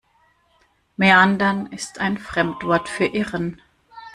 Meandern ist ein Fremdwort für "Irren".